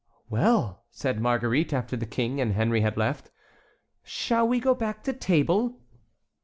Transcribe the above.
"Well!" said Marguerite, after the King and Henry had left, "shall we go back to table?"